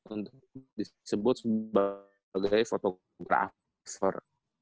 untuk disebut sebagai fotografer